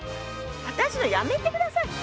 私のやめて下さい。